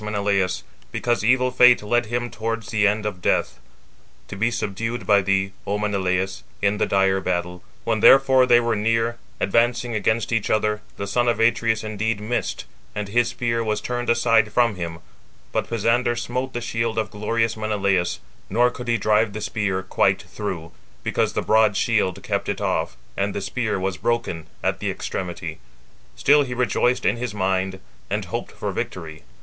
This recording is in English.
444. But Pisander went direct against glorious Menelaus, because evil Fate led him towards the end of death, to be subdued by thee, O Menelaus, in the dire battle. When therefore they were near, advancing against each other, the son of Atreus indeed missed, and his spear was turned aside from him; but Pisander smote the shield of glorious Menelaus, nor could he drive the spear quite through; because the broad shield kept it off, and the spear was broken at the extremity: still he rejoiced in his mind, and hoped for victory.